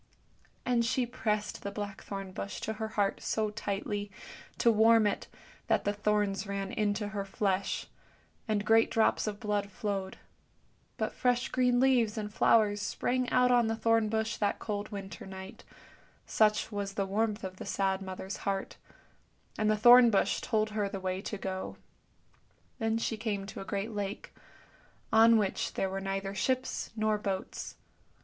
And she pressed the blackthorn bush to her heart so tightly, to warm it, that the thorns ran into her flesh, and great drops of blood flowed; but fresh green leaves and flowers sprang out on the thorn bush that cold winter night, such was the warmth of a sad mother's heart, and the thorn bush told her the way to go. Then she came to a great lake, on which there were neither ships nor boats.